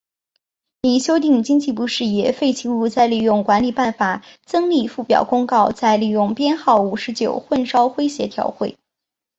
拟修订经济部事业废弃物再利用管理办法增列附表公告再利用编号五十九混烧灰协调会。